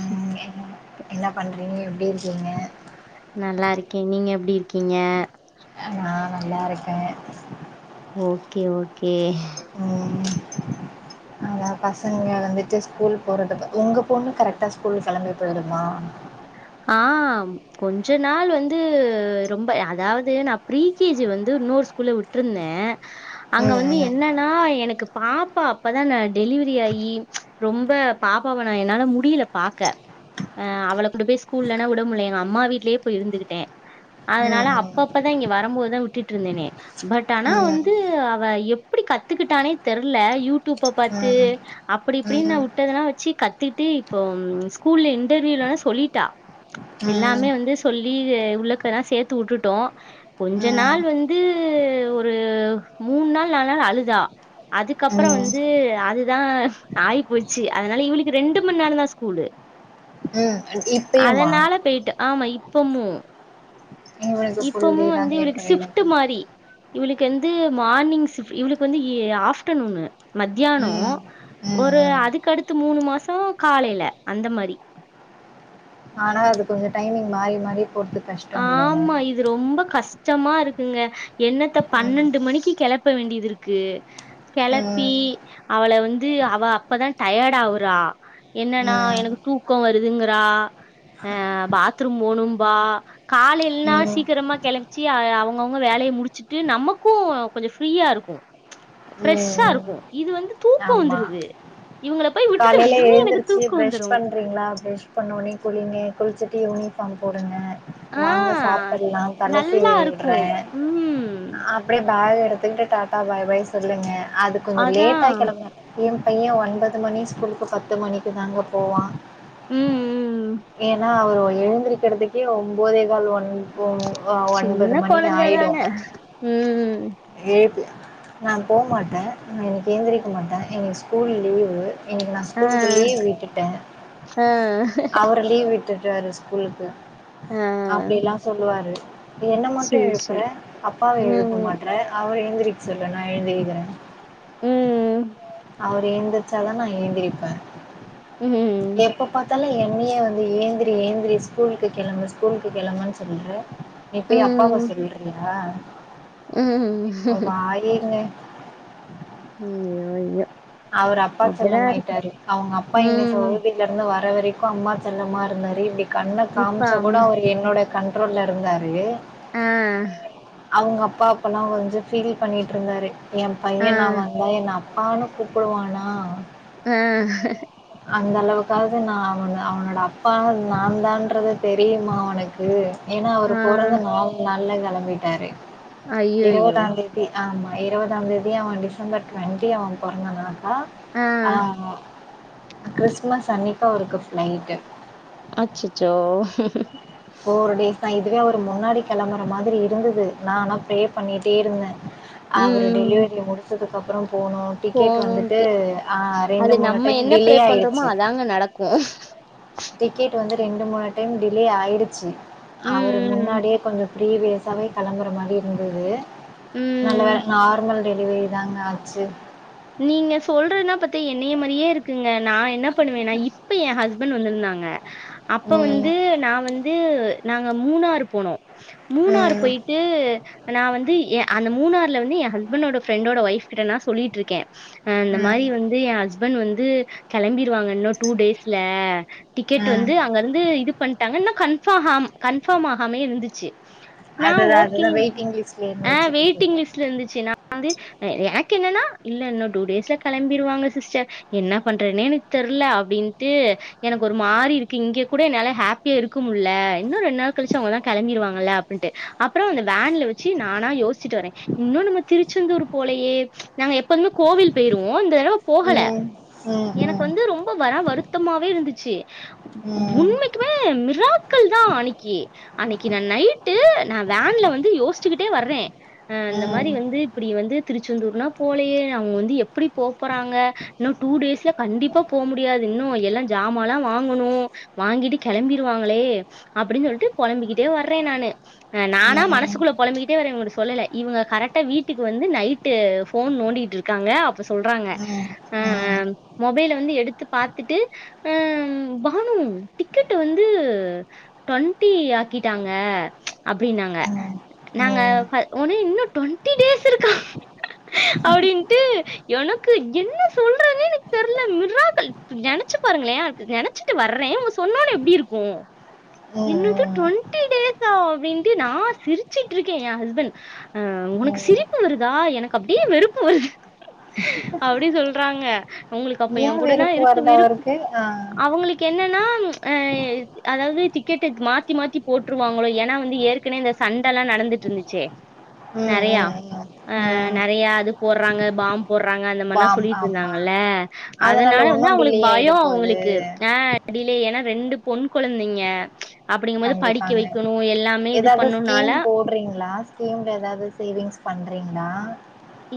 ம் என்ன ப என்ன பண்றீங்க எப்டி இருக்கீங்க நல்லா இருக்கே நீங்க எப்டி இருக்கீங்க நா நல்லா இருக்கே ஓகே ஓகே ம் அதா பசங்க வந்துட்டு ஸ்கூல் போறது உங்க பொண்ணு கரெக்டா ஸ்கூல் கெளம்பி போயிடுமா ஆ கொஞ்ச நாள் வந்து ரொம்ப அதாவது நா ப்ரீகேஜி வந்து இன்னொரு ஸ் கூல்ல வுட்ருந்த அங்க வந்து ம் என்ன ன்னா எனக்கு பாப்பா அப்பதா நா டெலிவரி ஆகி ரொம்ப பாப்பாவ நா என்னால முடியல பாக்க ஆ அவள கொண்டு போய் ஸ்கூல்லல்லா விட முடில எங்க அம்மா வீட்லயே போய் இருந்துகிட்டே அதனால ம் ம் அப்ப ம் அப்பதா இங்க வரம்போதுதா விட்டுட்டு இருந்தனே பட் ஆனா ம் ம் வந்து அவ எப்படி கத்துக்கிட்டானே தெர்ல யூடடயூப்ப பாத்து அப்படி இப்படின்னு நா ம் வுட்டதெல்லா வச்சி கத்துட்டு இப்போ ஸ்கூல்ல இன்டர்வியூலலா சொல்லிட்டா எல்லாமே வந்து சொல்லி உள்ளக்கதா சேத்து வுட்டுட்டோம் கொஞ்ச ம் நாள் வந்து ஒரு மூண் நாள் நாலு நாள் அழுதா அதுக்கப்புறம் ம் வந்து அதுதா ஆயி போச்சு அதனால இவளுக்கு ரெண்டு மண் நேரம் தா ஸ்கூலு உம் சுதீப் அதனால பேயிட்டு ஆமா இப்பமு இவனுக்கு ஃபுல் டே இப்பமும் தாங்க வந்து என் இவளுக்கு பையனுக்கு சிப்ட்டு மாரி இவளுக்கு வந்து மார்னிங் சிஃப் இவளுக்கு வந்து எ ஆஃப்டர்நூனு மத்தியானோ ம் ம் ஒரு ம் அதுக்கடுத்து மூணு மாசம் காலைல அந்த மாரி ஆனா அது கொஞ்சம் டைமிங் மாறி மாறி போட்டு ஆமா இப் இது ரொம்ப கஷ்டமா இருக்குங்க என்னத்த ம் பன்னெண்டு மணிக்கு கிளப்ப வேண்டியது இருக்கு கெளப்பி ம் அவள வந்து அவ அப்பதா டயர்ட் ஆகுறா என்னன்னா எனக்கு தூக்கம் வருதுங்குற அ பாத்ரூம் போணும்பா காலைல்னா ம் ம் சீக்கிரமா கெளம் ச்சி அ அவுங்கவுங்க வேலைய முடிச்சுட்டு நமக்கும் கொஞ்சம் ஃப்ரீயா இருக்கும் ஃப்ரெஷ்ஷா ம் இருக்கும் இது வந்து தூக்கம் வந்துருது இவுங்கள காலைல எழுந்துருச்சி ப்ரெஷ் பண்றீங்களா ப்ரெஷ் பண்ணவுன்னே குளிங்க குளிச்சுட்டு யூனிஃபார்ம் போடுங்க ஆ வாங்க சாப்ட்ல்லாம் தல நல்லா சீவி விட்ற இருக்கு ம் அப்டியே பேக் எடுத்துட்டு டாட்டா பாய் பாய் சொல்லுங்க அது கொஞ்சம் அதா லேட்டா கெளம்புனா என் பையன் ஒன்பது மணி ஸ்கூலுக்கு பத்து மணிக்கு தாங்க போவான் ம்ம்ம் ஏன்னா அவ எழுந்திரிக்கறதுக்கே ஒம்போதே கால் ஒன் ஒன் ஒன்பது மணி ஆயிடு உம் எழுப்பி நா போ மாட்டே நா இன்னக்கி எந்திரிக்க மாட்டே எனக்கு ஸ்கூல் லீவு இன்னிக்கி நா ஆ ஸ்கூலுக்கு லீவ் விட்டுட்ட ஆ அவரு லீவ் விட்டுட்டாரு ஸ்கூலுக்கு ஆ அப்டியெல்லா சொல்லுவாரு என்ன மட்டு சேரி எழுப்புற சேரி அப்பாவ எழுப்ப ம் மாட் அவர எழுந்திருக்க சொல்லு நா எழுந்திருக்கிற ம்ம் அவரு எந்திரிச்சாதா நா ஏந்திரப்பே லெ ம் எப்ப பாத்தாலு என்னையே வந்து ஏந்திரி ஏந்திரி ஸ்கூலுக்கு கெளம்பு ஸ்கூலுக்கு கெளம்பு னு சொல்ற நீ போய் அப்பாவ சொல்றியா உம் ஆகிருங்க ஐய்யோ ஐய்யோ அவரு அப்பா செல்லமாயிட்டாரு அவங்க அப்பா இங்க ம் சைதில தில இருந்து வர வரைக்கு அம்மா செல்லமா இருந்தாரு இப்டி கண்ண இப்ப காம்ச்சா கூட அம்மா ஒரு என்னோட கண்ட்ரோல்ல இருந்தாரு ஆ அவுங்க அப்பா அப்பல்லா கொஞ்ச ஃபீல் பண்ணிட்டுருந்தாரு ஏ ஆ பைய நா வந்தா என்ன அப்பான்னு கூப்புடுவானா ஆ அந்தளவுக்காவது நா அவனோட அப்பா நாந்தான்றத தெரியுமா அவனுக்கு ஏனா அவர் ஆ பொறந்த நாலு நாள்ள கெளம்பிட்டாரு ஐயையோ இருவதாந்தே தி ஆமா இருவதாந்தேதி அவ டிசம்பர் டுவெண்ட்டி அவ பொறந்த நாள் அ ஆ கிறிஸ்மஸ் அன்னைக்கி அவருக்கு ஃபிளைட்டு அச்சச்சோ ஃபோர் டேஸ்சா இதுவே அவரு முன்னாடி கெளம்பற மாதிரி இருந்துது நா ஆனா ப்ரே பண்ணிட்டே இருந்த அவரு ம் டெலிவரிய முடிச்சதுக்கப்புற போனு டிக்கெட் வந்துட்டு போணுன்ட்டு ஆ அது ரெண்டு மூணு டைம் டிலே ஆயிச்சு காஃப் டிக்கெட்டு வந்து ரெண்டு மூணு டைம் டிலே ஆயிடுச்சு அவரு ம் ம் முன்னாடியே கொஞ்ச பீரிவியஸாவே கெளம்புற மாரி இருந்தது நல்ல ம் வேல நார்மல் டெலிவரி தாங்க ஆச்சு நீங்க சொல்றதுன்னா பத்தா என்னைய மாரியே இருக்குங்க நா என்ன பண்ணுவன்னா இப்ப எ ஹஸ்பண்ட் வந்துருந்தாங்க அப்ப ம். வந்து நா வந் து நாங்க மூணாரு போனோ மூணார் ம். போயிட் டு நா வந்து எ அந்த மூணார்ல வந்து எ ஹஸ்பண்ணோட ஃப்ரெண்டோட ஒய்ஃப் கிட்ட நா சொல்லிட்ருக்கெ அ இந்த ம். மாரி வந்து எ ஹஸ்பண்ட் வந்து கெளம்பிடுவாங்க இன்னு டூ டேஸ்ல டிக்கெட்டு ம். வந்து அங்கேர்ந்து இது பண்டாங்க இன்னு கன்ஃபாகாம் கன்ஃபாம் ஆகாமயே இருந்துச்சு நா அதுதான் ஓகே அதுதான் வெயிட்டிங் லிஸ்ட்ல அ இருந்துச்சு வெயிட்டிங் டிக்கெட்டு. லிஸ்ட்ல இருந்துச்சு நா வந்து எனக்கென்னனா இல்ல இன்னு டூ டேஸ்ல கெளம்பிருவாங்க சிஸ்டர் என்ன பண்றத்னே எனக் தெர்ல அப்டின்ட்டு எனக்கு ஒரு மாறி இருக்கு இங்க கூட என்னால ஹாப்பியா இருக்க முல்ல இன்னு ரெண் நாள் கழிச்சு அவங்கதா கெளம்பிருவாங்கல்ல ன்ட்டு அப்பற அந்த வேன்ல வச்சு நானா யோஸ்சிட்டு வர இன்னு நம்ம திருச்செந்தூர் போலையே நாங்க எப்பொதுமே கோவில் போயிருவோ இந்த தடவ ம் ம் போகல ம் ம் ம் ம் ம் ம் எனக்கு ம் வந்து ரொம்ப வரா வருத்தமாவே இருந்துச்சு உண்மைக்குமே மிராக்கிள் தா அன்னைக்கி அன்னைக்கி நா நைட்டு நா வேன்ல வந்து யோசிச்சுக்கிட்டே வர்றே அ அந்த மாரி வந்து இப்டி வந்து திருச்செந்தூர்னா போலயே அவுங்க வந்து எப்டி போ போறாங்க இன்னு டூ டேஸ்ல கண்டிப்பா போ முடியாது இன்னு எல்லா ஜாமாலா வாங்கணு வாங்கிட்டு கெளம்பிருவாங்களே அப்டின்னு சொல்லிட்டு பொழம்பிக்கிட்டே வர்றே நானு அ நானா மனசுக்குள்ள ம் பொழம்பிகிட்டே வரே இவுங்கட சொல்லல இவுங்க கரெட்டா வீட்டுக்கு வந்து நைட்டு ஃபோன் நோண்டிகிட்டு ருக் க்காங்க அப்ப சொல்றாங்க அ மொபைல வந்து எடுத்து பாத்துட்டு அ ஹம் பானு டிக்கெட்டு வந்து டொண்ட்டி ஆக்கிட்டாங்க அப்டின்னாங்க நாங்க ம் ஹ ஒனே இன்னு டொண்டி டேஸ் இருக்கா அப்டின் ட்டு எனக்கு என்ன சொல்றதுனே தெர்ல மிராக்கிள் ட்டு நெனச்சு பாருங்களே எனக்கு நெனச்சிட்டு வர்றே இவுங்க சொன்னோனே எப்டி இருக்கு ம் என்னது டொண்ட்டி டேஸ்சா அப்டின்ட்டு நா சிரிச்சிட்ருக்கே எ ஹஸ்பெண்ட் அ உனக்கு ம் சிரிப்பு வருதா எனக்கு அப்டியே வெறுப்பு வருது அப்டி சொல்றாங்க அவுங்களுக்கு அப்ப என் ஏன் கூடனா வெறுப்பு இருக்க வருது விருப் அவருக்கு ஆ அவுங்களுக் கென்னன்னா அ அதாவது டிக்கெட்டு மாத்தி மாத்தி போட்டுருவாங்களோ எனா வந்து ஏற் கனே இந்த சண்டல்லா நடந்துட்ருந்துச்சே ம் ம் நெறையா ம் ஆ ம் நெறைய அது போட்றாங்க பாம் போட்றாங்க அந்த மாரினா பாம் சொல்லிட்டு ஆமா இருந்தாங்கல்ல அதனால வந்து இன்னும் அவுங்களுக் டிலே ஆயிட பயோ போகுது அவுங்களுக்கு ஆ டிலயே எனா ரெண்டு பொன் கொழந்தைங்க அப்டிங்கும்போது படிக்க கண்டிப்பாங்க வக்கணு எல்லாமே இது பண்ணுனால போட்றீங்களா ஸ்கீம்ல ஏதாவது சேவிங்ஸ் பண்றீங்களா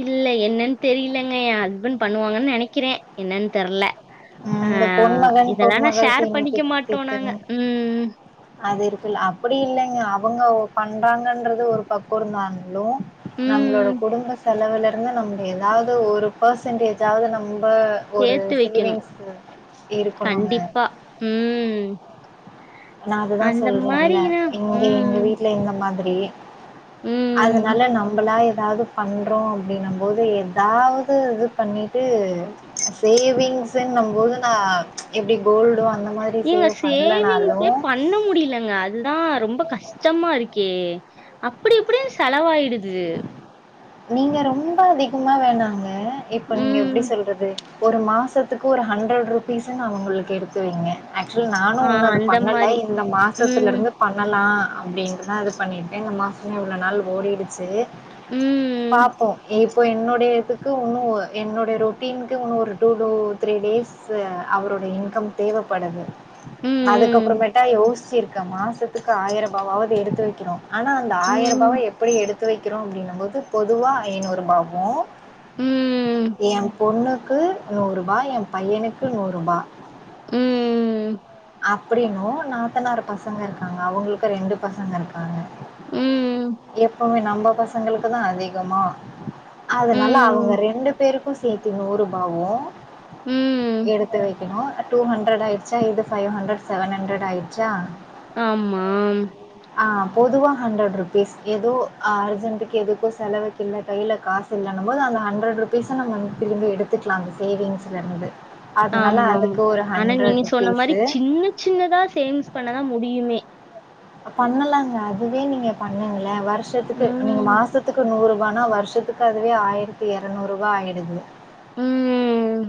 இல்ல என்னன்னு தெரிலங்க எ ஹஸ்பெண்ட் பண்ணுவாங்கன்னு நெனைக்கிறே என்னன்னு தெர்ல ம் அ இந்த பொன்மகன் இதெல்லா நா பொன்மகள் ஷேர் சேமிப்பு பண்ணிக்க மாட்டோ நாங்க திட்டம் ம் அது இருக்குல்ல அப்டி இல்லங்க அவுங்க பண்றாங்கன்றது ஒரு பக்கோ இருந்தான்லு நம்மளோட ம் குடும்ப செலவுல இருந்து நம்ம ஏதாவது ஒரு பெர்சன்டேஜாவது நம் ப ஒரு சேத்து வைக்கணு சேவிங்ஸ் இருக்கணுங்க. கண்டிப்பா ம் நா அதுதா அந்த சொல்ரேன்ல மாரினா இங்க எங்க ம், வீட்ல இந்த மாதிரி ம். அதனால நம்மளா எதாது பண்றோ அப்டினு போது எதாவது இது பண்ணிட்டு சேவிங்ஸுன்னு போது நா எப்டி கோல்டோ அந்த மாதிரி ஏங்க சேவ் பண்லனா சேவிங்ஸே பண்ண முடியலங்க அதுதா ரொம்ப கஷ்டமா ருக்கே அப்டி இப்டின் செலவாயிடு து நீங்க ரொம்ப அதிகமா வேணாங்க இப்ப நீங்க ம். எப்டி சொல்றது ஒரு மாசத்துக்கு ஒரு ஹண்ட்ரட் ருபீஸ்ன்னு அவுங்களுக்கு எடுத்து வைங்க ஆக்சுவலி நானு ஆ இன்னு அது அந்த பண்ணல மாரி. இந்த மாசத்துல ம், ருந்து பண்ணலா அப்டின்னுதா இது பண்ணிட்டு இந்த மாசமே இவ்ளோ நாள் ஓடிடுச்சு ம், பாப்போ இப் போ என்னுடைய இதுக்கு உன்னு என்னுடைய ரொட்டின்க்கு உன்னு ஒரு டூ டூ த்ரீ டேஸ் சு அவரோடைய இன்கம் தேவப்படுது ம், ம், அதுக்கப்பறமேட்டா யோசிச்சுருக்க மாசத்துக்கு ஆயிர ரூபாவது எடுத்து வெக்கனு ஆனா அந்த ஆயிர ரூபாவ ம், எப்டி எடுத்து வெக்கிறோ அப்டின்னும்போது பொதுவா ஐநூறு ரூபாவு ம், என் பொண்ணுக்கு நூரூபா என் பையனுக்கு நூரூபா ம் அப்டின்னு நாத்தனாறு பசங்க இருக்காங்க அவுங்களுக்கு ரெண்டு பசங்க இருக்காங்க எப்புமே நம்ம பசங்களுக்குதா அதிகமா அதனால அவுங்க ம், ரெண்டு பேருக்கு சேத்து நூறு ரூபாவு ம். எடுத்து வெ க்கனு டூ ஹண்ட்ரட் ஆயிடுச்சா இது ஃபைவ் ஹண்ட்ரட் செவன்ஹண்ட்ரட் ஆயிடுச்சா ஆமா ஆ பொதுவா ஹண்ட்ரட் ருப்பீஸ் எதோ அர்ஜென்ட்க்கு எதுக்கோ செலவுக்கில்ல கைல காசு இல்லன்னும்போது அந்த ஹண்ட்ரட் ருப்பீஸ நம்ம திரும்பி எடுத்துக்லா அந்த சேவிங்ஸ்லருந்து அதனால ஆமாமா. அதுக்கு ஒரு ஆனா ஹண்ட்ரட் நீங்க சொன்ன ருப்பீஸ் மாரி சின்ன சின்னதா சேவிங்ஸ் பண்ணதா முடியுமே பண்ணலாங்க அதுவே நீங்க பண்ணீங்கள்ள வருஷத்துக்கு நீங்க ம். மாசத்துக்கு நூறு ரூபானா வருஷத்து க்கு அதுவே ஆயிரத்தி இரநூறு ரூபா ஆயிடுது ம்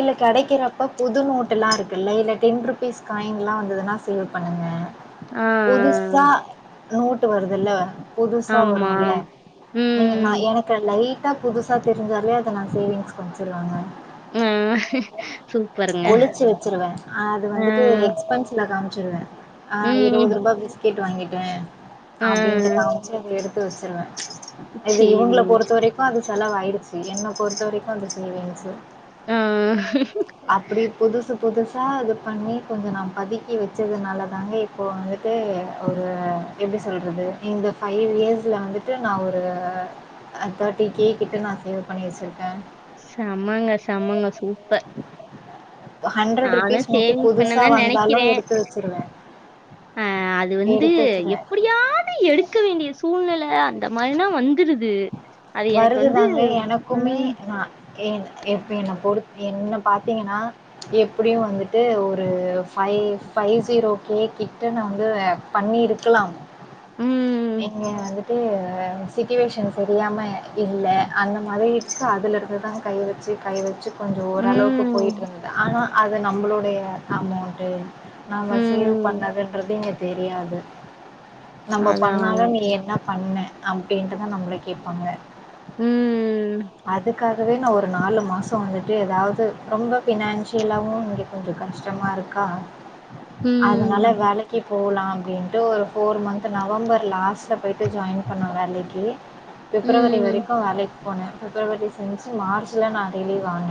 இல்ல கெடைக்கறப்ப புது நோட்டெல்லா இருக்கல்ல இல்ல டென் ருப்பீஸ் காயின்லா வந்ததுன்னா சேவ் பண்ணுங்க ஆ, புதுசா நோட்டு வருதுல்ல புதுசா ஆமா. வருல்ல நீங்க நா ம். என க்கு லைட்டா புதுசா தெரிஞ்சாலே அத நா சேவிங்ஸ்க்கு வெச்சிருவங்க ம் சூ ஒளிச்சு வெச்சிருவ அது வந்துட்டு எக்ஸ்பென்ஸ்ல காமிச்சிருவ ஆ ம். இருவது ரூபா பிஸ்கெட் வாங்கிட்ட ஆ அப்டின்ட்டு காமிச்சு அத எடுத்து வெச்சிருவன் இது இவுங்கள சரிங்க. ச பொறுத்த வரைக்கு அது செலவாயிடுச்சு என்ன பொறுத்த வரைக்கு அது சேவிங்ஸு ஆ அப்டி புதுசு புதுசா இது பண்ணி கொஞ்சோ நா பதுக்கி வெச்சதுனாலதாங்க இப்போ வந்துட்டு ஒரு எப்டி சொல்றது இந்த ஃபைவ் இயர்ஸ்ல வந்துட்டு நா ஒரு அ கேண்டி கே கிட்ட நா சேவ் பண்ணி வெச்சிருக்க செமங்க செமங்க சூப்பர் ஹண்ட்ரட் நானும் ருப்பீஸ் நோட்டு சேவிங்ஸ் பண்ண புதுசா தான் வந்தாலு நெனைக்கிறேன். எடுத்து வெச்சிருவன் அ அது வந்து எப்டியாது எடுக்க வேண்டிய சூல்நில அந்த மாதிரினா வந் துருது அது எனக்கு வந்து ம் ஏன் எப்ப என்ன பொறு என்ன பாத்தீங்கனா எப்டியு வந்துட்டு ஒரு ஃபைவ் ஃபைவ் ஜீரோ கே கிட்ட நா வந்து பண்ணிருக்கலாம் ம், இங்க வந்துட்டு சிட்டிவெஷன் தெரியாம இல்ல அந்த மாரிடுச்சு அதிலிருந்துதான் கை வெச்சு கை வெச்சு கொஞ்சோ ஓரளவுக்கு ம், போயிட்டுருந்தது ஆனா அது நம்மளுடைய அமௌண்ட்டு நாம சேவ் ம். பண்ணதுன்றது இங்க தெரியாது நம்ம அதான், பண்ணாலு அதான். நீ என்ன பண்ண அப்டின்ட்டுதா நம்மள கேப்பாங்க ம், அதுக்கா கவே நா ஒரு நாலு மாசோ வந்துட்டு எதாவது ரொம்ப ஃபினான்ஷியலாவு இங்க கொஞ்சோ கஷ்டமா இரு க்கா அதனால ம், வேல க்கு போலா அப்டின்ட்டு ஒரு ஃபோர் மந்த் நவம்பர் லாஸ்ட்ல போயிட்டு ஜாயின் பண்ண வேலைக்கு பிப்ரவரி ம். வரைக்கு வேலைக்கு போன பிப்ரவரி சின்ஸ் மார்ச்ல நா ரிலிவ் ஆன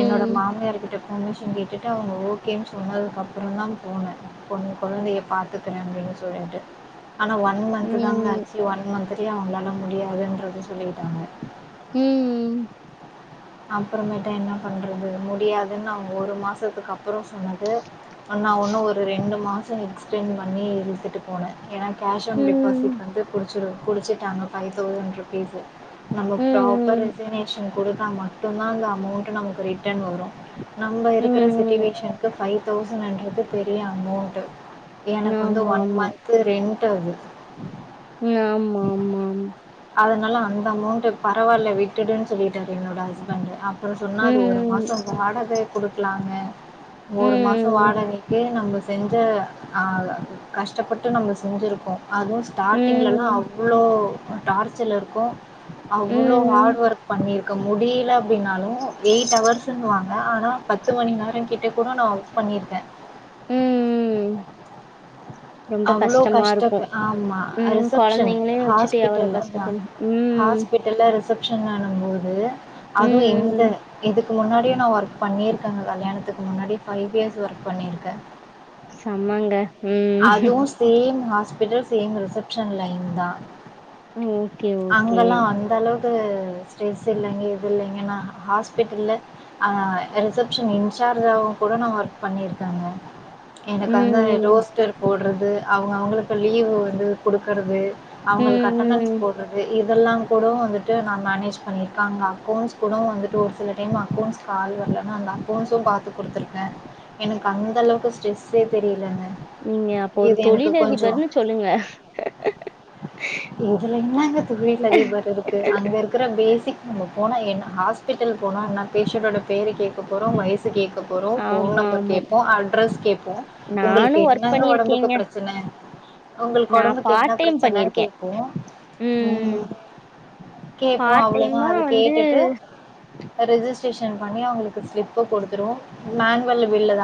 என்னோட மாமியார்கிட்ட பர்மிஷன் கேட்டுட்டு அவங்க ஓகேன்னு சொன்னதுக்கப்புறோ தா போனோ கொ கொழந்தைய பாத்து க்கிறே அப்டின்னு சொல்லிட்டு ஆனா ஒன் மந்து தாங்க ம், ஆச்சு ஒன் மந்த்லயே அவங்களால முடியாதுன்றத சொல்லிட்டாங்க உம் உம் அப்புறமேட்டா என்ன பண்றது முடியாதுன்னு ஒரு மாசத்துக்கு அப்புறோ சொன்னப்போ நா ஒன்னு ஒரு ரெண்டு மாசோ எக்ஸ்டென்ட் பண்ணி இழுத்துட்டு போனே ஏன்னா கேஷ் ஆன் ம், டெபாசிட் வந்து பிடிச்சடு புடிச்சட்டாங்க ஃபைவ் தௌசண்ட் ருபீஸு நம்ம ப்ராப்பர் ம், ரெசிகனேஷன் கொடுத்தா மட்டுந்தா அந்த அமௌண்ட் நமக்கு ரிட்டன் வரு நம்ம இருக்ற ம். சிச்சுவேஷனுக்கு ஃபைவ் தௌசண்ட்ன்றது பெரிய அமௌண்டு எனக்கு வந்து ஆமா, ஒன் ஆமா. மந்த் ரெண்ட் அது உம் ஆமா ஆமா ஆ அதனால அந்த அமௌண்ட் பரவாயில்ல விட்டுடுன்னு சொல்லிட்டாரு என்னோட ஹஸ்பண்டு சொன்னா அது ஒரு ம், மாசோ வாடக கொடுக்கலாங்க ஒரு மாசோ ம், வாடகைக்கே நம்ப செஞ்சு ஆ கஷ்டப்பட்டு நம்ப செஞ்சுருக்கோ அதுவு ஸ்டார்ட்டிங்லலா ம், அவ்வளோ டார்ச்சல் இருக்கு அவ்ளோ ம், ஹார்ட் ஒர்க் பண்ணிருக்கே முடில ன்னாலு எயிட் ஹவர்ஸ்ன்னுவாங்க ஆனா பத்து மணி நேரோ கிட்ட கூட நா ஒர்க் பண்ணியிருக்கே ம் ரொம்ப அவ்ளோ கஷ்டமா கஷ்டோ இருக்கும். ஆமா ம், ரிசப்ஷன் குழந்தைங்களையும் வச்சுட்டு எவ்வளோ ஹாஸ்பிட்டல்ல கஷ்டப்படும். ம், ஹாஸ்பிடல் ரிசப்ஷன்னானு போது அதுவு எங்க ம். எதுக் இதுக்கு முன்னாடியே நான் ஒர்க் பண்ணியிருக்கேங்க கல்யாணத்துக்கு முன்னாடி ஃபைவ் இயர்ஸ் ஒர்க் பண்ணியிருக்கே செம்மங்க ம். அதுவு same hospital same reception line தா ஓகே, ஓகே. அங்கெல்லா அந்த அளவுக் ஸ்ட்ரெஸ் இல்லைங்க இது இல்லைங்கன்னா ஹாஸ்பிட்டல்ல ஆஹ் ரிசப்ஷன் இன்சார்ஜாவு கூட நா ஒர்க் பண்ணிருக்கேங்க எனக்கு அந்த ம், ரோஸ்டர் போடுறது அவங்க அவங்களுக்கு லீவு வந்து குடுக்குறது ம், அவங்களுக்கு அட்டனன்ஸ் ம். போடுவது இ இதெல்லா கூட வந்துட்டு நா மேனேஜ் பண்ணியிருக்கே அங்க அக்கௌண்ட்ஸ் கூட வந்துட்டு ஒரு சில டைம் அக்கௌண்ட்ஸ் கால் வர்லன்னா அந்த அக்கௌன்ஸும் பாத்து குடுத்துருக்கே எனக்கு அந்த அளவுக்கு ஸ்ட்ரெஸ்ஸே தெரியலங்க நீங்க அப்ப ஒரு இது எனக்கு கொஞ்சம் தொழிலதிபர்ன்னு சொல்லுங்க இதுல என்னங்க தொழிலதிபர் இருக்கு அங்க இருக் க்கற பேசிக் நம்ம போனா என்ன ஹாஸ்பிட்டல் போனா என்ன பேஷண்டோட பேரு கேக்க போறோ வய சு கேக்க போறோ ஃபோன் நம்பர் ஆமாமா. கேப்போ அட்ரஸ் கேப்போ நானு உங்களுக்கு என் ஒர்க் என்னா ஒடம்புக்கு பண்ணிருக்கேங்க பிரச்சன ஒங்களுக்கு நா ஒடம்புக்கு என்ன பார்ட் டைம் பிரச்சனன்னு பண்ணிருக்கே கேப்போ ம் கேப்போ பார்ட் அவ்ளோதா டைமா அது வந்து கேட்டுட்டு ரெஜிஸ்ட்ரேஷன் பண்ணி அவுங்களுக்கு ஸ்லிப்பு குடுத்துருவோ மேன்வல்லு பில்லு தா